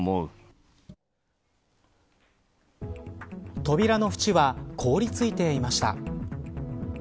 扉の縁は凍りついていました。